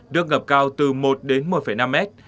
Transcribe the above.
được ngập cao từ một đến một năm mét